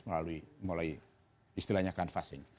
mulai istilahnya kanvasing